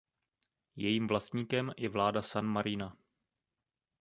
Jejím vlastníkem je vláda San Marina.